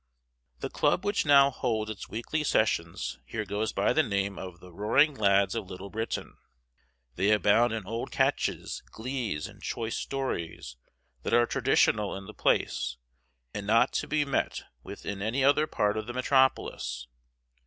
The club which now holds its weekly sessions here goes by the name of "the Roaring Lads of Little Britain." They abound in old catches, glees, and choice stories that are traditional in the place and not to be met with in any other part of the metropolis.